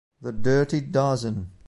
The Dirty Dozen